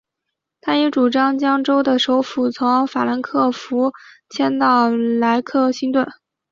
他也主张将州的首府从法兰克福迁到莱克星顿。